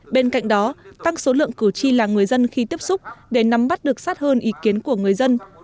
bên cạnh đó tăng số lượng cử tri là người dân khi tiếp xúc để nắm bắt được sát hơn ý kiến của người dân